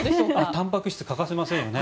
たんぱく質欠かせませんよね。